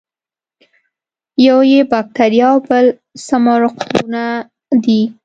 یو یې باکتریا او بل سمارقونه دي.